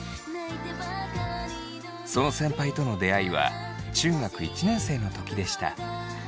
その先輩との出会いは中学１年生の時でした。